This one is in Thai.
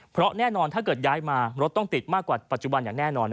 เพราะแน่นอนถ้าเกิดย้ายมารถต้องติดมากกว่าปัจจุบันอย่างแน่นอน